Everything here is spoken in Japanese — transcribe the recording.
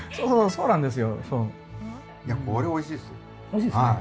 そうなんです。